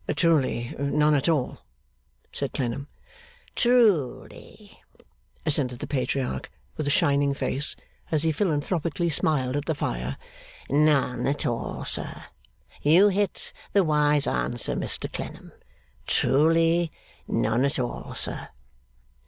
'Truly, none at all,' said Clennam. 'Truly,' assented the Patriarch, with a shining face as he philanthropically smiled at the fire, 'none at all, sir. You hit the wise answer, Mr Clennam. Truly, none at all, sir.